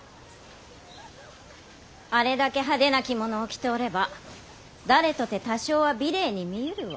・あれだけ派手な着物を着ておれば誰とて多少は美麗に見ゆるわ。